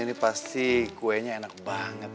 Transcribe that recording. ini pasti kuenya enak banget